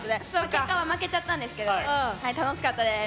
結果は負けちゃったんですけどはい楽しかったです。